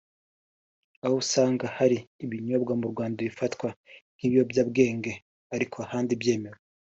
aho usanga hari ibinyobwa mu Rwanda bifatwa nk’ibiyobyabwenge ariko ahandi byemewe